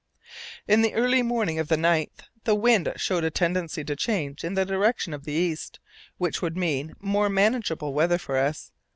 In the early morning of the 9th the wind showed a tendency to change in the direction of the east, which would mean more manageable weather for us.